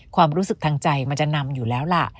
ความรู้สึกทางใจมันจะนำอยู่แล้วล่ะ